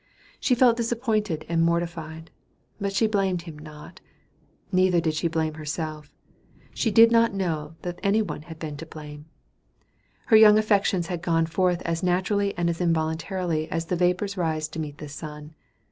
She felt disappointed and mortified, but she blamed not him, neither did she blame herself; she did not know that any one had been to blame. Her young affections had gone forth as naturally and as involuntarily as the vapors rise to meet the sun.